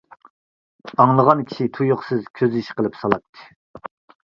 ئاڭلىغان كىشى تۇيۇقسىز كۆز يېشى قىلىپ سالاتتى.